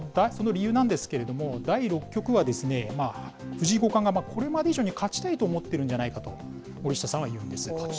その理由なんですけれども、第６局は、藤井五冠がこれまで以上に勝ちたいと思っているんじゃないかと、森下さんは言うんです。